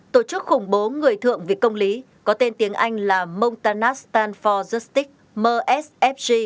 hai tổ chức khủng bố người thượng vì công lý có tên tiếng anh là montanastan for justice msfg